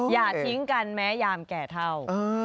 อย่าทิ้งกันแม้ยามแก่เท่า